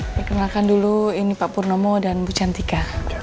saya kenalkan dulu ini pak purnomo dan bu cantika